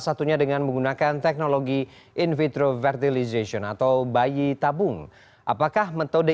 satunya dengan menggunakan teknologi in vitro fertilization atau bayi tabung apakah metode